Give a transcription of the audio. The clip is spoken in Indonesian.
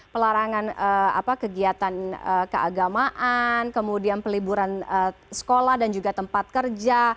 pelarangan kegiatan keagamaan kemudian peliburan sekolah dan juga tempat kerja